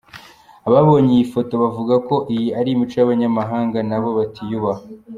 Ababonye iyi foto, bavuga ko iyi ari imico y’abanyamahanga nabo batiyubaha.